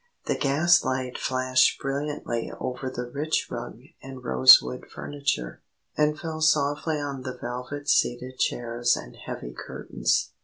The gas light flashed brilliantly over the rich rug and rosewood furniture, and fell softly on the velvet seated chairs and heavy curtains.